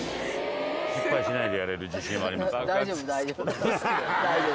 失敗しないでやれる自信はあ大丈夫、大丈夫。